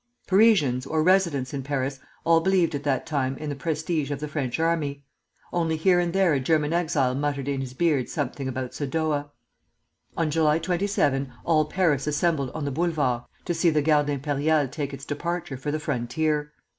] Parisians or residents in Paris all believed at that time in the prestige of the French army; only here and there a German exile muttered in his beard something about Sadowa. On July 27 all Paris assembled on the Boulevards to see the Garde Impériale take its departure for the frontier.